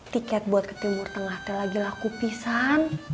tiket buat ke timur tengah teh lagi laku pisang